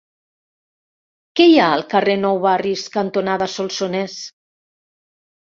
Què hi ha al carrer Nou Barris cantonada Solsonès?